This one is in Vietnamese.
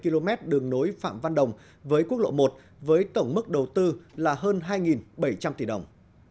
ba km đường nối phạm văn đồng với quốc lộ một với tổng mức đầu tư là hơn hai bảy trăm linh tỷ đồng